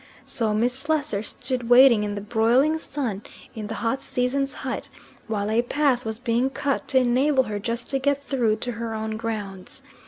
So Miss Slessor stood waiting in the broiling sun, in the hot season's height, while a path was being cut to enable her just to get through to her own grounds.